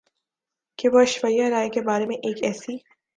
کہ وہ ایشوریا رائے کے بارے میں ایک ایسی